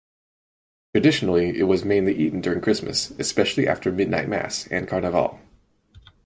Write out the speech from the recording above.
Traditionally it was mainly eaten during Christmas (especially after Midnight Mass) and Carnival.